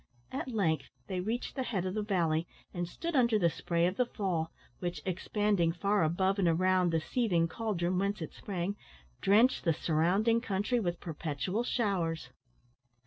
At length they reached the head of the valley, and stood under the spray of the fall, which, expanding far above and around the seething caldron whence it sprang, drenched the surrounding country with perpetual showers.